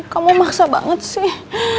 kamu maksa banget sih